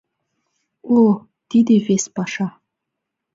О, тиде — вес паша!